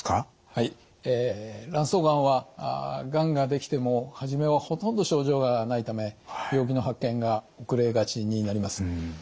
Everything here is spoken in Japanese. はい卵巣がんはがんが出来ても初めはほとんど症状がないため病気の発見が遅れがちになります。